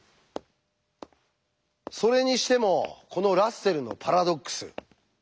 それにしてもこのラッセルのパラドックス